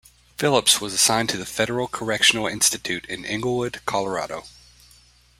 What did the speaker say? Phillips was assigned to the Federal Correctional Institution in Englewood, Colorado.